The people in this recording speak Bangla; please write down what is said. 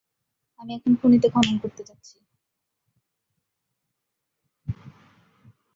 আমি এখন খনিতে খনন করতে যাচ্ছি!